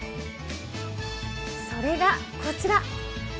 それがこちら。